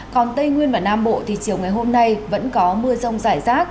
còn tây nguyên và nam bộ thì chiều ngày hôm nay vẫn có mưa rông rải rác